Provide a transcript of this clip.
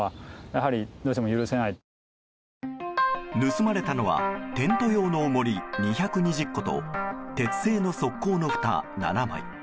盗まれたのはテント用の重り２２０個と鉄製の側溝のふた７枚。